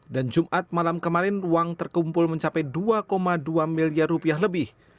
dan jumat malam kemarin uang terkumpul mencapai dua dua miliar rupiah lebih